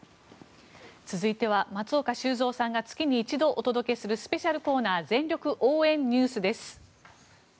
続いては松岡修造さんが月に一度お届けするスペシャルコーナー全力応援ＮＥＷＳです。